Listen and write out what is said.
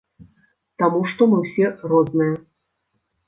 Таму што мы ўсе розныя.